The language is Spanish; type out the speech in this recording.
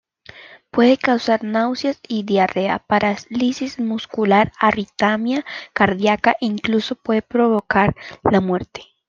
Puede causar náusea y diarrea, parálisis muscular, arritmia cardíaca e incluso provocar la muerte.